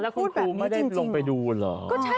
แล้วคุณครูไม่ได้ลงไปดูเหรอคุณพูดแบบนี้จริงเหรอ